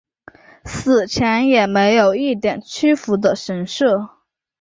死前也没有一点屈服的神色。